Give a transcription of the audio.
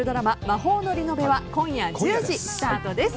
「魔法のリノベ」は今夜１０時スタートです。